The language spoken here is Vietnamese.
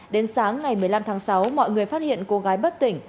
đến sáng ngày một mươi năm tháng sáu mọi người phát hiện cô gái bất tỉnh